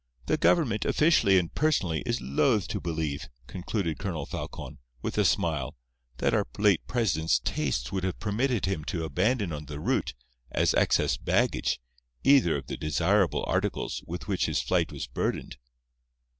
The Government, officially and personally, is loath to believe," concluded Colonel Falcon, with a smile, "that our late President's tastes would have permitted him to abandon on the route, as excess baggage, either of the desirable articles with which his flight was burdened."